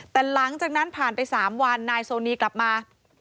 แต่หลังจากนั้นผ่านไป๓วันนายโซนีกลับมา